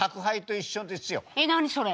えっ何それ？